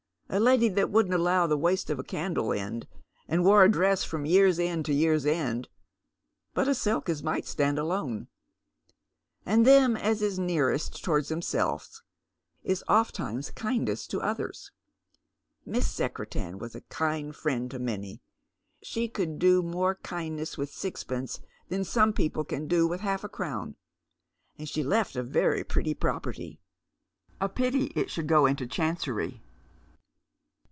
A lady that wouldn't allow the waste of a candle end, and wore a dress from year's end to year's end — but a silk as might stand alone. And them as is nearest towards theirselves is oftentimes kindest to others. Miss Secretan was a kind friend to many. She could do more kindness with sixpence than some people can do with half a crown. And she left a very pretty property. A pity it should go into Chancery."